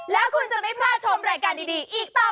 แล้วคุณจะไม่พลาดชมรายการดีอีกต่อ